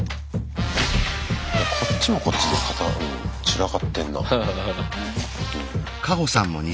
こっちもこっちで散らかってんな。